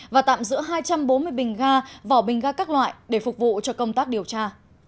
và tạm giữ hai trăm bốn mươi bình ga vỏ bình ga các loại để phục vụ cho công tác điều tra